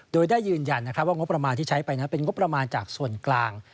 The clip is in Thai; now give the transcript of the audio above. โดยได้ยืนยันว่างบประมาณที่ใช้ไปนั้นเป็นงบประมาณจากส่วนกลาง